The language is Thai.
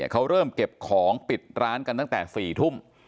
เขาเริ่มเก็บของปิดร้านกันตั้งแต่๔ทุ่ม